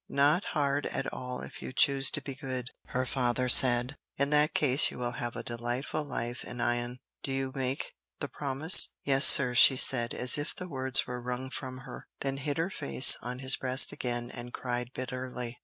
"Not hard at all if you choose to be good," her father said. "In that case you will have a delightful life at Ion. Do you make the promise?" "Yes, sir," she said, as if the words were wrung from her, then hid her face on his breast again and cried bitterly.